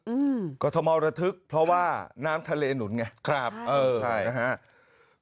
อืมกรทมระทึกเพราะว่าน้ำทะเลหนุนไงครับเออใช่นะฮะ